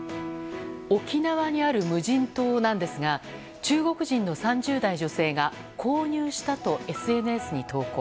沖縄にある無人島なんですが中国人の３０代女性が購入したとＳＮＳに投稿。